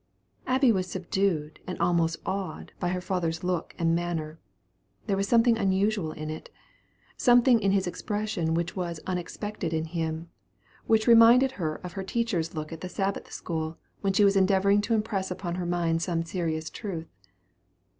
Abby was subdued, and almost awed, by her father's look and manner. There was something unusual in it something in his expression which was unexpected in him, which reminded her of her teacher's look at the Sabbath school, when he was endeavoring to impress upon her mind some serious truth.